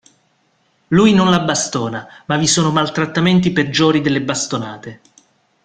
Lui non la bastona, ma vi sono maltrattamenti peggiori delle bastonate.